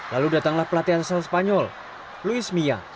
lalu datanglah pelatih asal spanyol luis mia